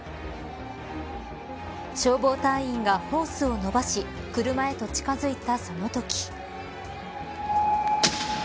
消防隊員がホースを伸ばし車へと近づいたそのとき。